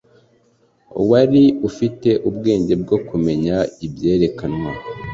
Wari ufite ubwenge bwo kumenya ibyerekanwa